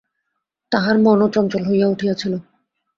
তাঁহার মনও চঞ্চল হইয়া উঠিয়াছিল।